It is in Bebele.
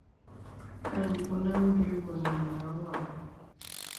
Kàn mpɔnaŋ m̀bìl wunə nà wam.